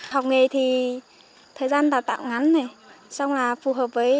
học nghề thì thời gian tạo tạo ngắn này